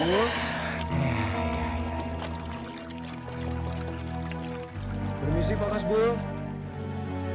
permisi pak hasbul